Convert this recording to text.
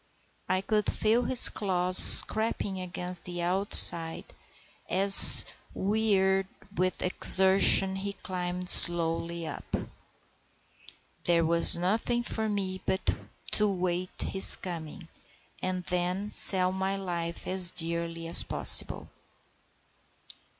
I could feel his claws scraping against the outside as, wearied with his exertion, he climbed slowly up. There was nothing for me but to wait his coming, and then sell my life as dearly as possible.